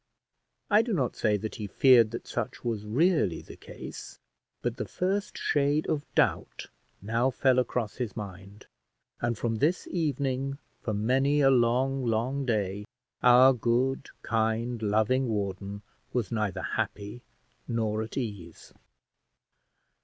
I do not say that he feared that such was really the case; but the first shade of doubt now fell across his mind, and from this evening, for many a long, long day, our good, kind loving warden was neither happy nor at ease.